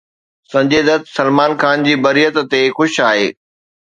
سنجي دت سلمان خان جي بريت تي خوش آهي